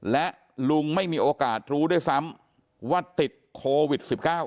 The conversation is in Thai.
และลุงไม่มีโอกาสรู้ด้วยซ้ำว่าติดโควิด๑๙